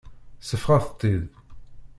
Seffɣet-tt-id.